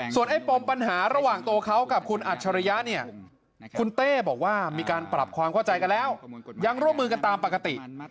ส่วนไอ้ปมปัญหาระหว่างตัวเขากับคุณอัจฉริยะเนี่ยคุณเต้บอกว่ามีการปรับความเข้าใจกันแล้วยังร่วมมือกันตามปกติ